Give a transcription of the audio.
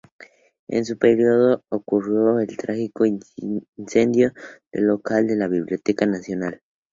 En su periodo ocurrió el trágico incendio del local de la Biblioteca Nacional.